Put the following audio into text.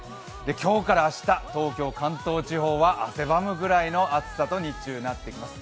今日から明日、東京、関東地方は汗ばむぐらいの暑さに日中はなってきます。